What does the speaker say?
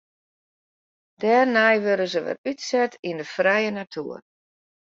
Dêrnei wurde se wer útset yn de frije natoer.